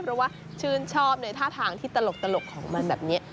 เพราะว่าชื่นชอบในท่าทางที่ตลกของมันแบบนี้